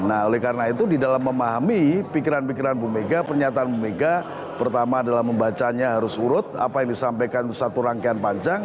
nah oleh karena itu di dalam memahami pikiran pikiran bu mega pernyataan bu mega pertama adalah membacanya harus urut apa yang disampaikan itu satu rangkaian panjang